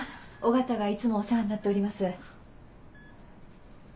尾形がいつもお世話になっております。